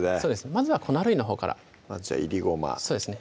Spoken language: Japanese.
まずは粉類のほうからまずいりごまそうですね